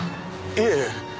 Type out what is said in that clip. いえ！